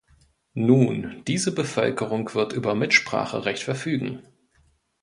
Nun, diese Bevölkerung wird über Mitspracherecht verfügen.